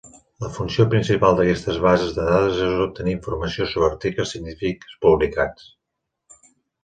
La funció principal d'aquestes bases de dades és obtenir informació sobre articles científics publicats.